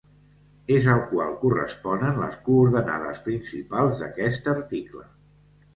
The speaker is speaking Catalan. És al qual corresponen les coordenades principals d'aquest article.